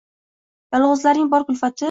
Yolg’izlarning bor kulfati